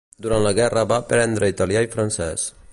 Durant la guerra va aprendre italià i francès.